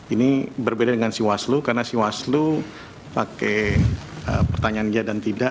ini berbeda dengan si waslu karena si waslu pakai pertanyaan dia dan tidak